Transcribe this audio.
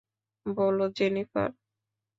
বলো, জেনিফার।